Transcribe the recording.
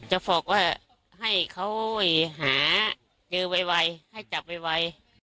จะบอกว่าให้เขาหาเจอวัยวัยให้จับวัยวัย